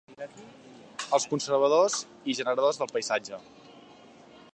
Els conservadors i generadors del paisatge.